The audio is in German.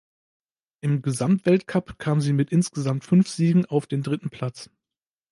Im Gesamtweltcup kam sie mit insgesamt fünf Siegen auf den dritten Platz.